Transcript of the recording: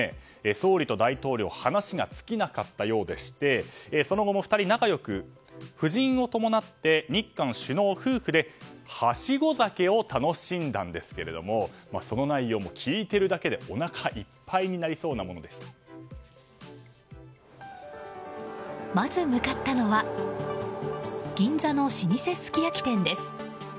総理と大統領は話が尽きなかったようでしてその後も２人仲良く夫人を伴って日韓首脳夫婦ではしご酒を楽しんだんですがその内容も聞いているだけでおなかいっぱいにまず向かったのは銀座の老舗すき焼き店です。